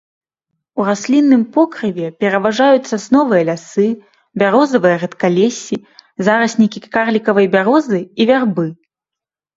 У раслінным покрыве пераважаюць сасновыя лясы, бярозавыя рэдкалессі, зараснікі карлікавай бярозы і вярбы.